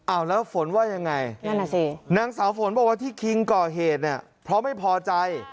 อ้าวแล้วฝนว่าอย่างไงนางสาวฝนบอกว่าที่คิงก่อเหตุนี่เพราะไม่พอใจ